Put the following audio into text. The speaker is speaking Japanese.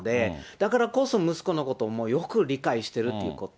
だからこそ息子のことをよく理解してるっていうこと。